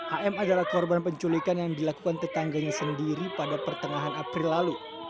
am adalah korban penculikan yang dilakukan tetangganya sendiri pada pertengahan april lalu